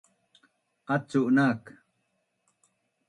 Acu nak